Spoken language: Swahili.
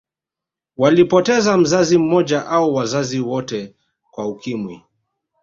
Walipoteza mzazi mmoja au wazazi wote kwa Ukimwi